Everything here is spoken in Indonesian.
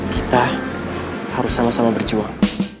kita harus sama sama berjuang